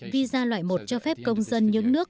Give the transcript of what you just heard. visa loại một cho phép công dân những nước